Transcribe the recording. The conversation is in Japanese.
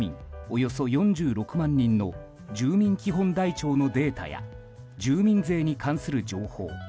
およそ４６万人の住民基本台帳のデータや住民税に関する情報